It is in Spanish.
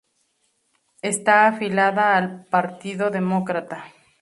Está afiliada al Partido Demócrata.